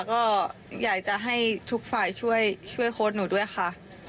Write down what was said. ก็อยากจะให้ทุกฝ่ายช่วยโค้ดหนูด้วยค่ะ